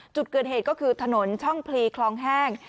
จุดเกิดเหตุก็คือถนนช่องพลีคลองแห้ง